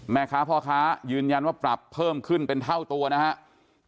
แม่ค้าพ่อค้ายืนยันว่าปรับเพิ่มขึ้นเป็นเท่าตัวนะครับ